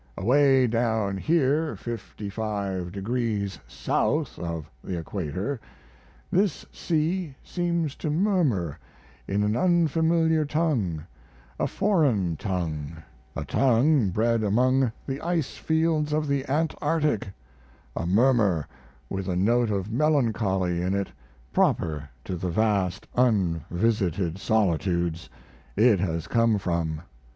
Away down here fifty five degrees south of the equator this sea seems to murmur in an unfamiliar tongue a foreign tongue a tongue bred among the ice fields of the antarctic a murmur with a note of melancholy in it proper to the vast unvisited solitudes it has come from.